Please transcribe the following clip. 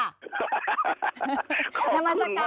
ขอบคุณมากค่ะ